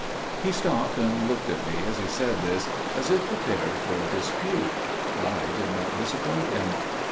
He stopped and looked at me as he said this, as if prepared for dispute. I did not disappoint him.